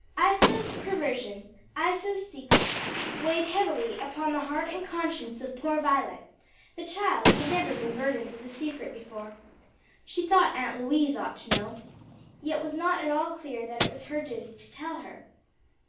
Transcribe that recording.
Isa's perversion, Isa's secret, weighed heavily upon the heart and conscience of poor Violet; the child had never been burdened with a secret before. She thought Aunt Louise ought to know, yet was not at all clear that it was her duty to tell her.